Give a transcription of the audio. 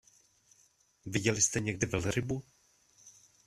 Viděli jste někdy velrybu?